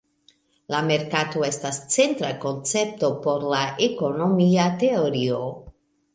La merkato estas centra koncepto por la ekonomika teorio.